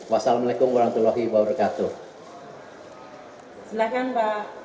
wassalamualaikum wr wb